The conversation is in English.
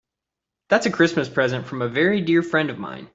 That's a Christmas present from a very dear friend of mine.